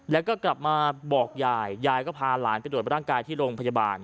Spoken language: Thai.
แล้วก็กลับมาบอกยายยายก็พาหลานไปตรวจร่างกายที่โรงพยาบาล